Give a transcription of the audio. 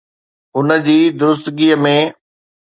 ان جي درستگي ۾.